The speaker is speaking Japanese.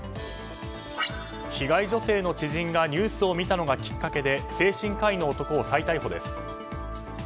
被害女性の知人がニュースを見たのがきっかけで精神科医の男を再逮捕です。